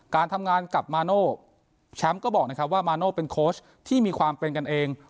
การทำงานกับมาโน่แชมป์ก็บอกนะครับว่ามาโน่เป็นโค้ชที่มีความเป็นกันเอง